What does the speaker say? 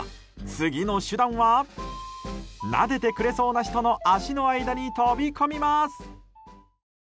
次の手段はなでてくれそうな人の足の間に飛び込みます。